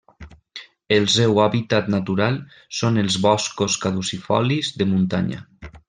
El seu hàbitat natural són els boscos caducifolis de muntanya.